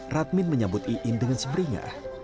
radmin menyambut iin dengan seberringah